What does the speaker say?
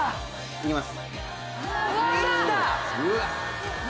行きます！